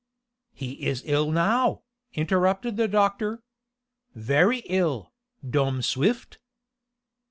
"He is ill now," interrupted the doctor. "Very ill, Dom Swift."